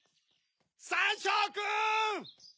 サンショウくん！